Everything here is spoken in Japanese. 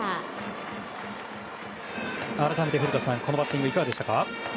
改めて古田さんこのバッティングいかがでした？